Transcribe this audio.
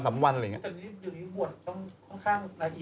เดือนนี้บวชต้องค่อนข้างละเอียด